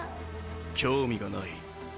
興味がない。